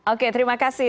oke terima kasih